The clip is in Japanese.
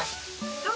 どう？